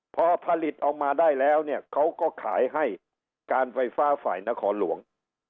พอผลิตออกมาได้แล้วเนี่ยเขาก็ขายให้การไฟฟ้าฝ่ายนครหลวง